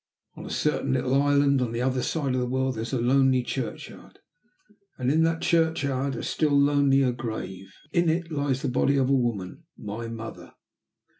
On a certain little island on the other side of the world there is a lonely churchyard, and in that churchyard a still lonelier grave. In it lies the body of a woman my mother.